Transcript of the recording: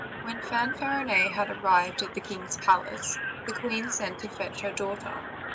When Fanfarinet had arrived at the king's palace, the< queen sent to fetch her daughter.